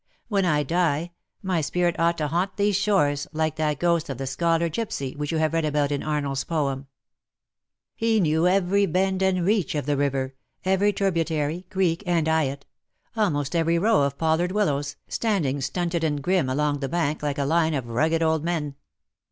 AVhen I die, my spirit ought to haunt these shores, like that ghost of the ^ Scholar Gipsy,^ which you have read about in Arnold's poem/^ He knew every bend and reach of the river — every tributary, creek, and eyot — almost every row of pollard willows, standing stunted and grim along the bank, like a line of rugged old men.